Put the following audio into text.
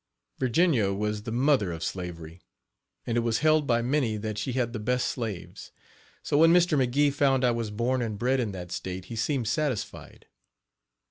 Virginia was the mother of slavery, and it was held by many that she had the best slaves. So when Mr. McGee found I was born and bred in that state he seemed satisfied.